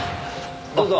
どうぞ。